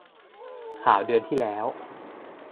ข่าวเดือนที่แล้ว